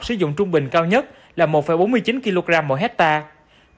sử dụng trung bình cao nhất là một bốn mươi chín kg mỗi hectare